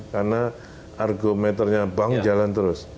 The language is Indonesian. karena argometernya bank jalan terus